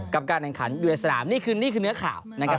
กับการแด่งขันอยู่ในสนามนี่คือเนื้อข่าวนะครับ